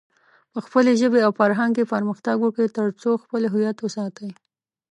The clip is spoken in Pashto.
په خپلې ژبې او فرهنګ کې پرمختګ وکړئ، ترڅو خپل هويت وساتئ.